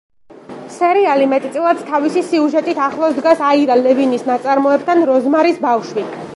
სერიალი მეტწილად, თავისი სიუჟეტით ახლოს დგას აირა ლევინის ნაწარმოებთან „როზმარის ბავშვი“.